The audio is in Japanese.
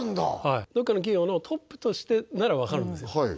はいどこかの企業のトップとしてならわかるんですよ